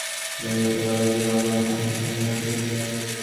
ক্যানটিনের পাশের ফাঁকা জায়গাটাতে বাঁশ দিয়ে বানানো হয়েছে সুন্দর একটি শহীদ মিনার।